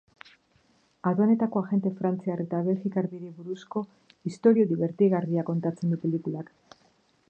Aduanetako agente frantziar eta belgikar biri buruzko istorio dibertigarria kontatzen du pelikulak.